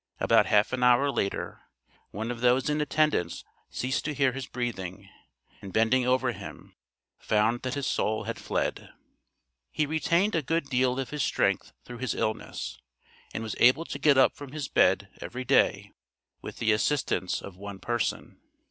About half an hour later, one of those in attendance ceased to hear his breathing, and bending over him, found that his soul had fled. He retained a good deal of his strength through his illness, and was able to get up from his bed, every day, with the assistance of one person.